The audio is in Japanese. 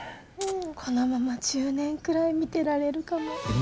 このまま１０年くらい見てられるかも。